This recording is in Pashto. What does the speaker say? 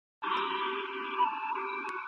ډېر چاڼ به د لوړ ږغ سره دلته راوړل سي.